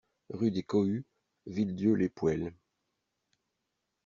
Rue des Cohues, Villedieu-les-Poêles